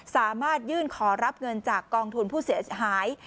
สามารถยื่นขอรับเงินจากกองทุนผู้เสียหาย